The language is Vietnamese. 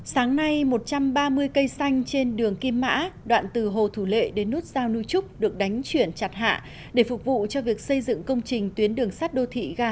sáng nay một trăm ba mươi cây xanh trên đường kim mã đoạn từ hồ thủ lệ đến nút giao núi trúc được đánh chuyển chặt hạ để phục vụ cho việc xây dựng công trình tuyến đường sắt đô thị